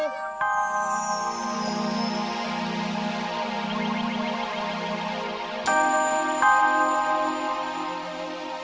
aduh aduh aduh aduh aduh aduh aduh aduh